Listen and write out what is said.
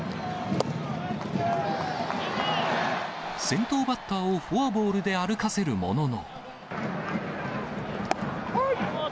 先頭バッターをフォアボールで歩かせるものの。